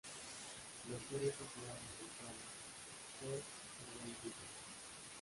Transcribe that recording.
La serie fue creada por Sarah Phelps y Ben Richards.